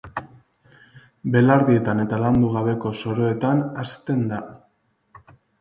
Belardietan eta landu gabeko soroetan hazten da.